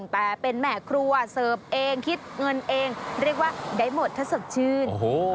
แต่เป็นแม่ครัวเสิร์ฟเองคิดเงินเองเรียกว่าได้หมดถ้าสดชื่น